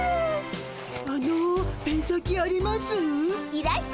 あのペン先あります？